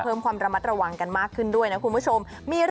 เพิ่มความระมัดระวังกันมากขึ้นด้วยนะคุณผู้ชม